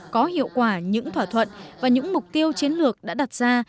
có hiệu quả những thỏa thuận và những mục tiêu chiến lược đã đặt ra